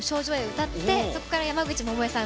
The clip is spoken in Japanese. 歌ってそこから山口百恵さん